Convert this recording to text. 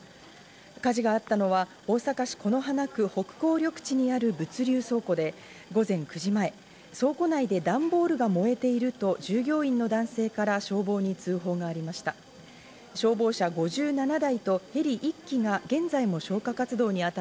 火事があったのは大阪市此花区北港緑地にある物流倉庫で、午前９時前、倉庫内で段ボールが燃えていると従業員の男性から消防に通報がありました。